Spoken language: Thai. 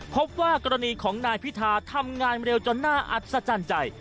พบว่ากรณีของนายพิธาทำงานเร็วจนน่าอัศจรรย์ใจ